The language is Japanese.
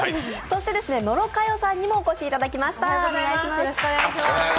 野呂佳代さんにもお越しいただきました。